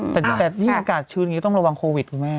แต่ยิ่งอากาศชื้นอย่างนี้ต้องระวังโควิดคุณแม่